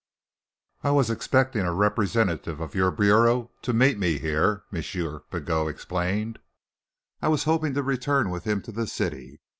"I was expecting a representative of your bureau to meet me here," M. Pigot explained. "I was hoping to return with him to the city.